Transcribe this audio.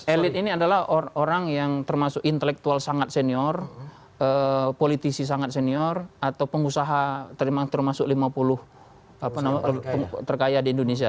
elit ini adalah orang yang termasuk intelektual sangat senior politisi sangat senior atau pengusaha termasuk lima puluh terkaya di indonesia